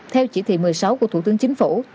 theo chỉ thị một mươi sáu của thủ tướng chính phủ